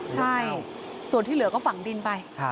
ใช่ส่วนที่เหลือก็ฝังดินไป